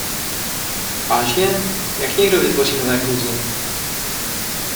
Vážně, jak někdo vytvoří nové kouzlo?